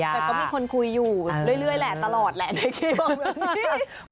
แต่ก็มีคนคุยอยู่เรื่อยแหละตลอดแหละในกี้บอกแบบนี้